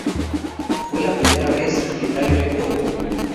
Fue la primera vez que tal evento ocurrió.